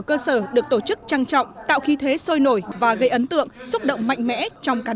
cơ sở được tổ chức trang trọng tạo khí thế sôi nổi và gây ấn tượng xúc động mạnh mẽ trong cán